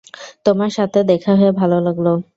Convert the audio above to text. তোমার সাথে দেখে হয়ে ভালো লাগল।